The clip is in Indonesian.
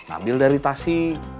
ambil dari tasi